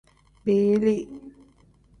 Biili.